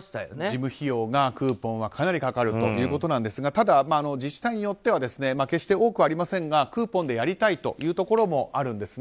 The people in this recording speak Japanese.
事務費用がクーポンはかなりかかるということですが自治体によっては多くはありませんがクーポンでやりたいというところもあるんですね。